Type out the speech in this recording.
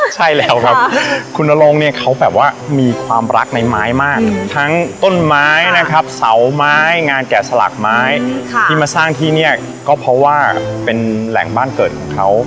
ใช่แล้วครับคุณนโรงเนี่ยเขาแบบว่ามีความรักในไม้มากทั้งต้นไม้นะครับเสาไม้งานแกะสลักไม้ที่มาสร้างที่เนี่ยก็เพราะว่าเป็นแหล่งบ้านเกิดของเขา